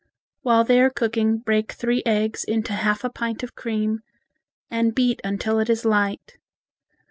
While they are cooking break three eggs into half a pint of cream, and beat until it is light.